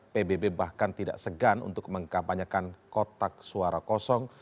pbb bahkan tidak segan untuk mengkampanyekan kotak suara kosong